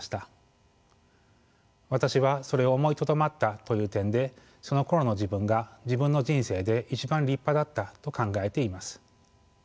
私はそれを思いとどまったという点でそのころの自分が自分の人生で一番立派だったと考えています。